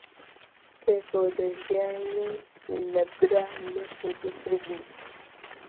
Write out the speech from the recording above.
پێکەوە دەژیاین و لە برا لێک نزیکتر بووین